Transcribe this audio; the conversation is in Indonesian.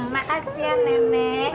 makasih ya nenek